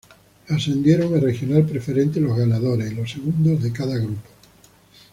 Ascendieron a Regional Preferente los ganadores y los segundos de cada grupo.